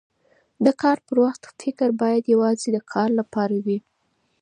د کار پر وخت فکر باید یواځې د کار لپاره وي.